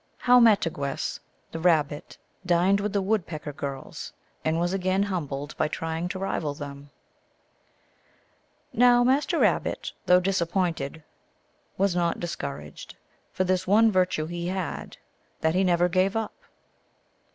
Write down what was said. How Mahtigivess, the Babbit dined with the Wood pecker Girls, and was again humbled by trying to rival them. Now Master Rabbit, though disappointed, was not discouraged, for this one virtue he had, that he never gave up.